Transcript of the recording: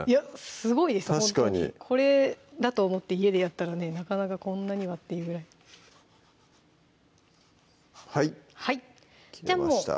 すごいですほんとにこれだと思って家でやったらねなかなかこんなにはっていうぐらいはい切れました